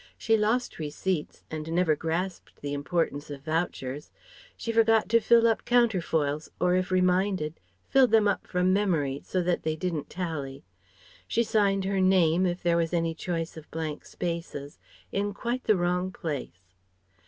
She lost receipts and never grasped the importance of vouchers; she forgot to fill up counterfoils, or if reminded filled them up "from memory" so that they didn't tally; she signed her name, if there was any choice of blank spaces, in quite the wrong place.